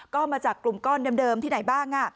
ก็มาจากกลุ่มก้อนเดิมที่ไหนบ้าง